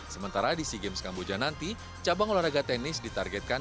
sementara di sea games kamboja nanti cabang olahraga tenis ditargetkan